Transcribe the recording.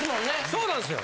そうなんですよ。